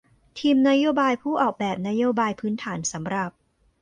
ทีมนโยบายผู้ออกแบบนโยบายพื้นฐานสำหรับ